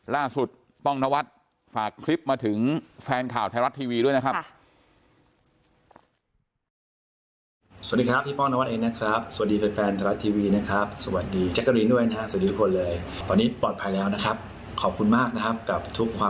ป้องนวัดฝากคลิปมาถึงแฟนข่าวไทยรัฐทีวีด้วยนะครับ